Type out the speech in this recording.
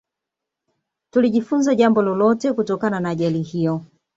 Tulijifunza jambo lolote kutokana na ajali hiyo